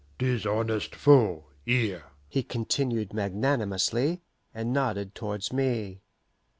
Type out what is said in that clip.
'Tis honest foe, here," he continued magnanimously, and nodded towards me.